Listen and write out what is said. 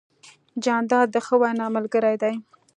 جانداد د ښه وینا ملګری دی.